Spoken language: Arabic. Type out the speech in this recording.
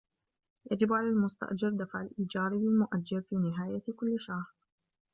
يجب على المستأجر دفع الايجار للمؤجر في نهاية كل شهر.